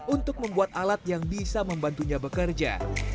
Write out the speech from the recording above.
untuk membuat alat yang bisa membantunya bekerja